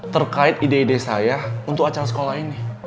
terkait ide ide saya untuk acara sekolah ini